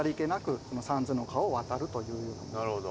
なるほど。